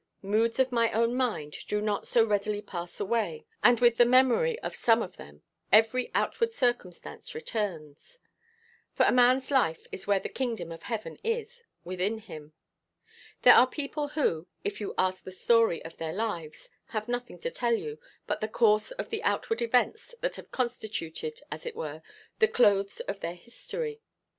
Moods of my own mind do not so readily pass away; and with the memory of some of them every outward circumstance returns; for a man's life is where the kingdom of heaven is within him. There are people who, if you ask the story of their lives, have nothing to tell you but the course of the outward events that have constituted, as it were, the clothes of their history.